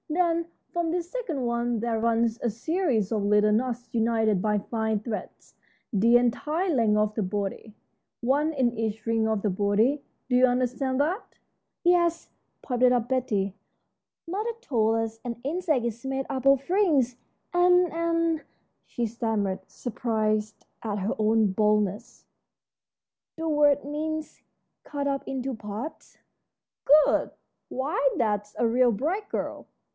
Then, from this second one there runs a series of little knots united by fine threads the entire length of the body, one in each ring of the body. Do you understand that?" "Yes," piped up Betty, "mother told us an insect is made up of rings, and and " she stammered, surprised at her own boldness, "the word means cut up into parts." "Good! Why, that's a real bright girl.